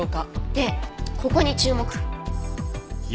でここに注目。